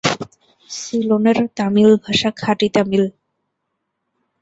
সিলোনের তামিল ভাষা খাঁটি তামিল।